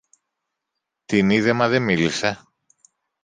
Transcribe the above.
την είδε, μα δε μίλησε.